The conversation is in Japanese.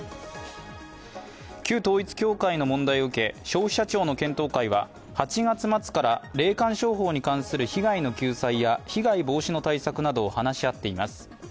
旧統一教会の問題を受け、消費者庁の検討会は８月末から霊感商法に関する救済や被害防止の対策などを話し合っています。